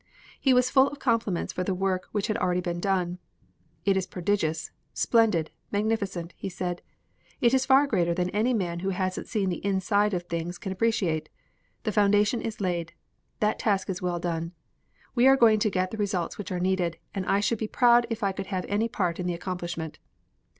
He was full of compliments for the work which had already been done. "It is prodigious, splendid, magnificent!" he said. "It is far greater than any man who hasn't seen the inside of things can appreciate. The foundation is laid. That task is well done. We are going to get the results which are needed and I should be proud if I could have any part in the accomplishment.